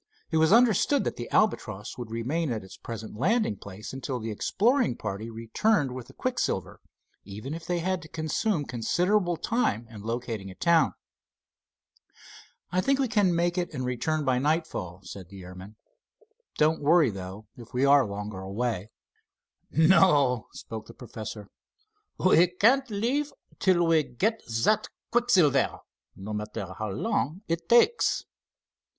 It was understood that the Albatross would remain at its present landing place until the exploring party returned with the quicksilver, even if they had to consume considerable time in locating a town. "I think we can make it and return by nightfall," said the airman. "Don't worry, though, if we are longer away." "No," spoke the professor. "We can't leave till we get that quicksilver, no matter how long it takes."